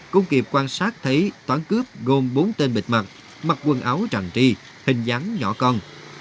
cũng kịp quan sát thấy toán cướp gồm bốn tên bịt mặt mặc quần áo tràng ti hình dáng nhỏ con